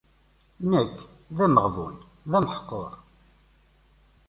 Nekk, d ameɣbun, d ameḥqur.